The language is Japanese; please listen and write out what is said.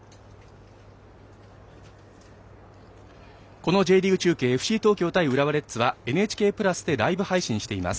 このＪリーグ中継ＦＣ東京対浦和レッズは「ＮＨＫプラス」でライブ配信しています。